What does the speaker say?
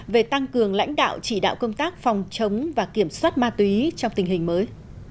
về tăng cường lãnh đạo chỉ đạo công tác phòng chống và kiểm soát ma túy trong tình hình mới